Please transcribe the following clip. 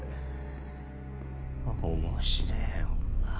面白ぇ女。